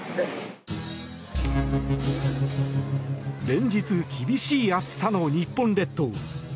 連日、厳しい暑さの日本列島。